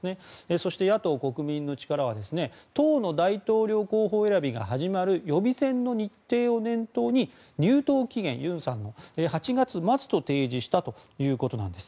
そして野党・国民の力は党の大統領候補選びが始まる予備選の日程を念頭に入党期限を８月末と提示したということなんです。